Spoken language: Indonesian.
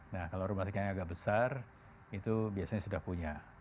nah kalau rumah sakit yang agak besar itu biasanya sudah punya